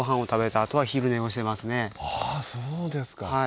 あそうですか。はい。